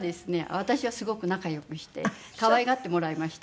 私はすごく仲良くして可愛がってもらいました。